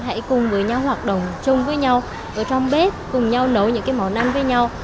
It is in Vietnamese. hãy cùng với nhau hoạt động chung với nhau ở trong bếp cùng nhau nấu những món ăn với nhau